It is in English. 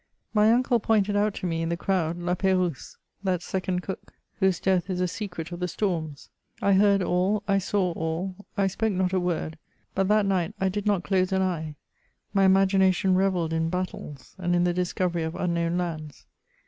My uncle pointed out to me, in the crowd, La P^rouse, that second Cook, whose death is a secret of the storms. I heard all, I saw all, — I spoke not a word ; but that night I did not close an eye : my imi^nation revelled in battles, and in the discovery of unknown lands.